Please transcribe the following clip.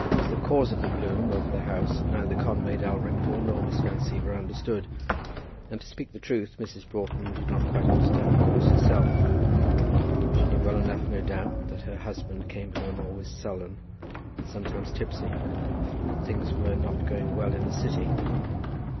What was the cause of the gloom over the house neither Conway Dalrymple nor Miss Van Siever understood, and to speak the truth Mrs. Broughton did not quite understand the cause herself. She knew well enough, no doubt, that her husband came home always sullen, and sometimes tipsy, and that things were not going well in the City.